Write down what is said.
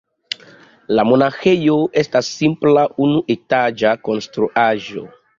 La monaĥejo estas simpla unuetaĝa konstruaĵo.